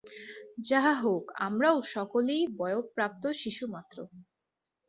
যাহা হউক, আমরাও সকলেই বয়ঃপ্রাপ্ত শিশুমাত্র।